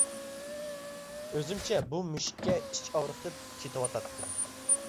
ئۆزۈمچە بۇ مۈشۈككە ئىچ ئاغرىتىپ كېتىۋاتاتتىم.